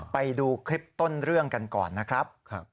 ไปดูคลิปต้นเรื่องกันก่อนนะครับ